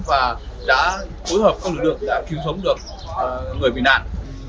và đã phối hợp các lực lượng đã cứu sống được người bị nạn